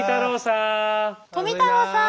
富太郎さん。